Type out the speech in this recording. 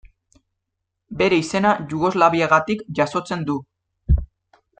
Bere izena Jugoslaviagatik jasotzen du.